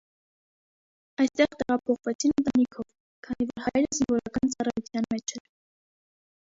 Այստեղ տեղափոխվեցին ընտանիքով, քանի որ հայրը զինվորական ծառայության մեջ էր։